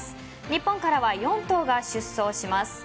日本からは４頭が出走します。